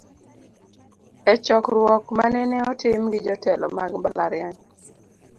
E chokruok manene otim gi jotelo mag mbalariany